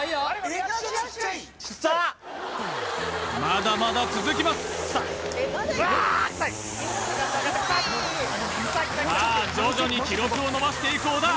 まだまだ続きますさあ徐々に記録を伸ばしていく小田